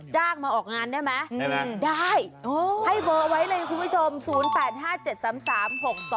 จ้างมาออกงานได้ไหมได้ให้เบอร์ไว้เลยคุณผู้ชม๐๘๕๗๓๓๖๒